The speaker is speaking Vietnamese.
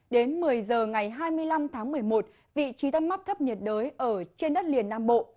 đến một mươi h ngày hai mươi năm tháng một mươi một vị trí tâm áp thấp nhiệt đới ở trên đất liền nam bộ